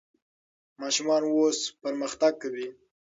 ماشومان اوس پرمختګ کوي.